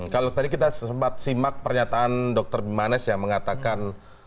kalau tadi kita sempat simak pernyataan dr bimanes yang mengatakan